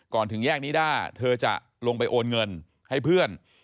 ถึงแยกนิด้าเธอจะลงไปโอนเงินให้เพื่อน